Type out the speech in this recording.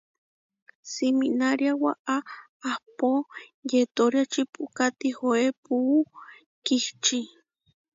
Siminária waʼá, ahpó yetóriači puʼká tihoé puú kihčí.